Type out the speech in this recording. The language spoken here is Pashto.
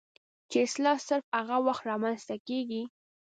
چې اصلاح صرف هغه وخت رامنځته کيږي